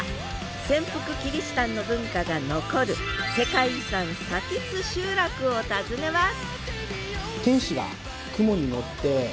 潜伏キリシタンの文化が残る世界遺産津集落を訪ねます！